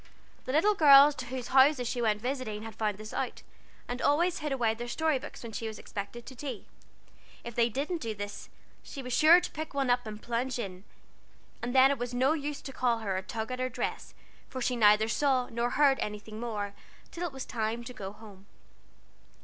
The little girls to whose houses she went visiting had found this out, and always hid away their story books when she was expected to tea. If they didn't do this, she was sure to pick one up and plunge in, and then it was no use to call her, or tug at her dress, for she neither saw nor heard anything more, till it was time to go home.